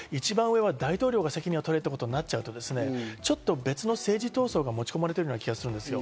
大統領が責任取れということになっちゃうと別の政治闘争が持ち込まれている感じがする。